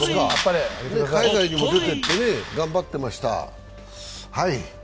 海外にも出ていって頑張ってました。